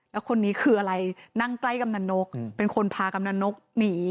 แล้วคนนี้คืออะไรนั่งใกล้กำนันนกเป็นคนพากำนันนกหนี